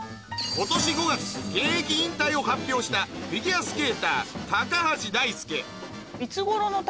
今年５月現役引退を発表したフィギュアスケーター高橋大輔